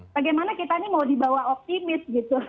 bagaimana kita mau dibawa optimis